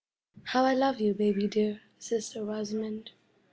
How I love you, baby dear, Sister Rosamond!